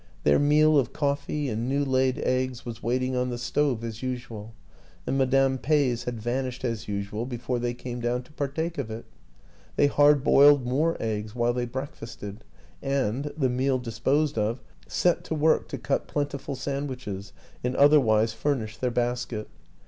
Their meal of coffee and new laid eggs was wait ing on the stove as usual, and Madame Peys had vanished as usual before they came down to par take of it. They hard boiled more eggs while they breakfasted, and, the meal disposed of, set to work to cut plentiful sandwiches and otherwise furnish their basket.